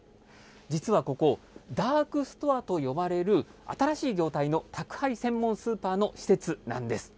実はここ、ダークストアと呼ばれる、新しい業態の宅配専門スーパーの施設なんです。